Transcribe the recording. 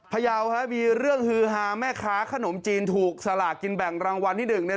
พยาวมีเรื่องฮือฮาแม่ค้าขนมจีนถูกสลากกินแบ่งรางวัลที่หนึ่งเนี่ย